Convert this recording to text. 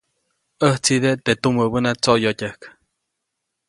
ʼÄjtsideʼe teʼ tumäbäna tsoʼyotyäjk.